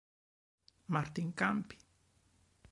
Martine Campi